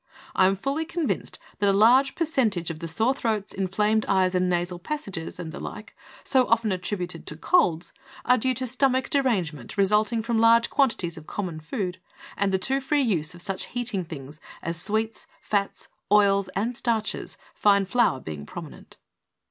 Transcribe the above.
I am fully convinced that a large per cent, of the sore throats, inflamed eyes and nasal passages, and the like, so often attributed to colds, are due to stomach derangement resulting from large quantities of common food, and the too free use of such heating things as sweets, fats and oils and starches, fine flour being prominent."